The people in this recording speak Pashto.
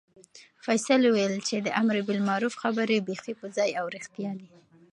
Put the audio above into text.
فیصل وویل چې د امربالمعروف خبرې بیخي په ځای او رښتیا دي.